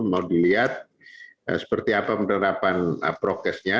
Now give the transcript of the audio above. mau dilihat seperti apa penerapan prokesnya